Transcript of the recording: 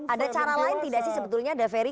ada cara lain tidak sih sebetulnya daveri